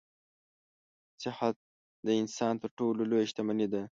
صحه د انسان تر ټولو لویه شتمني ده.